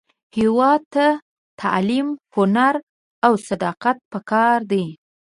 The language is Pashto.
هیواد ته تعلیم، هنر، او صداقت پکار دی